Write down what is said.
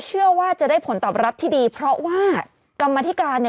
เชื่อว่าจะได้ผลตอบรับที่ดีเพราะว่ากรรมธิการเนี่ย